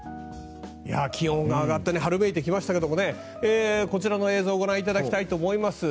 気温が上がって春めいてきましたけどもこちらの映像ご覧いただきたいと思います。